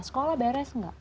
sekolah beres nggak